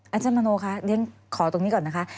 อาจารย์มโนคะเรียนขอตรงนี้ก่อนนะคะ